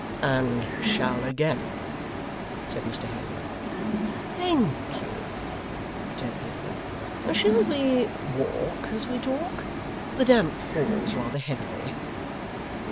'And shall again,' said Mr Haredale. 'Thank you,' returned the other. 'Shall we walk as we talk? The damp falls rather heavily.